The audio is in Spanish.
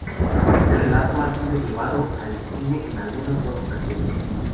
Este relato ha sido llevado al cine en al menos de dos ocasiones.